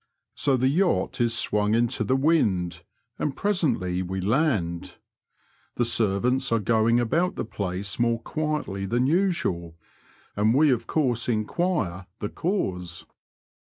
So the yacht is swung into the wind, and presently we land. The servants are going about the place more quietly than usual, and we of course enquire the cause.